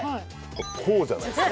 こうじゃないですか？